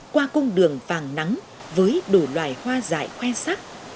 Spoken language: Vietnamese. qua cung đường vàng nắng với đủ loài hoa giải khoe sắc